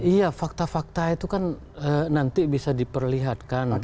iya fakta fakta itu kan nanti bisa diperlihatkan